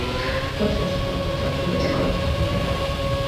Court was born into a political family.